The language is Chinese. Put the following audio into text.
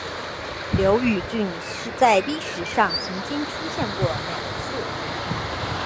刈羽郡在历史上曾经出现过两次。